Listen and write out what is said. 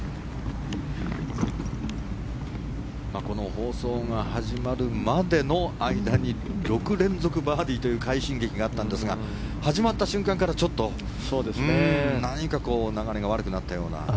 この放送が始まるまでの間に６連続バーディーという快進撃があったんですが始まった瞬間からちょっと何かこう流れが悪くなったような。